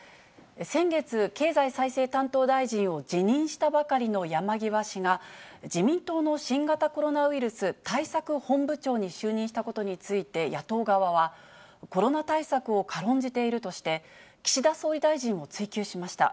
先月、経済再生担当大臣を辞任したばかりの山際氏が、自民党の新型コロナウイルス対策本部長に就任したことについて、野党側は、コロナ対策を軽んじているとして、岸田総理大臣を追及しました。